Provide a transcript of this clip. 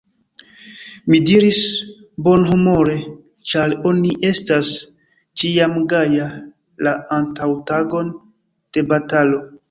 Mi ridis bonhumore, ĉar oni estas ĉiam gaja, la antaŭtagon de batalo.